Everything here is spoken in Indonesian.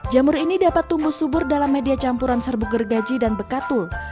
jamur ini dapat tumbuh subur dalam media campuran serbu gergaji dan bekatul